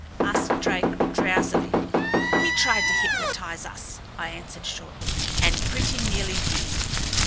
asked Drake drowsily. "He tried to hypnotize us," I answered shortly. "And pretty nearly did."